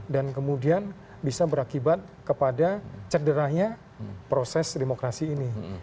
dan kemudian bisa berakibat kepada cederanya proses demokrasi ini